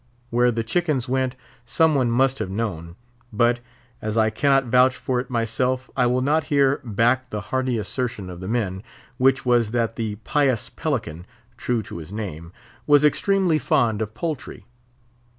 Where the chickens went, some one must have known; but, as I cannot vouch for it myself, I will not here back the hardy assertion of the men, which was that the pious Pelican—true to his name—was extremely fond of poultry.